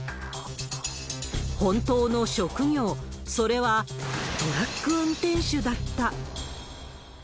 本当の職業、それはトラック運転手だった。